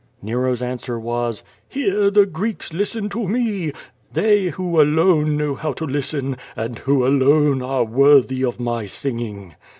Nero'g answer was: "Here the Greeks listen to me — ^they who alone QVO VADT8. 511 know how to listen, and who alone are worthy of my singing.